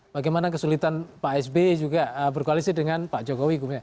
bagaimana kesulitan pak sby juga berkoalisi dengan pak jokowi